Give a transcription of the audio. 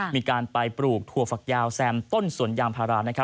มีการไปปลูกถั่วฝักยาวแซมต้นสวนยางพารา